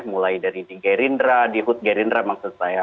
mulai dari di gerindra di hood gerindra maksud saya